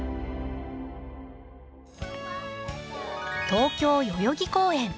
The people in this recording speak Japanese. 東京代々木公園。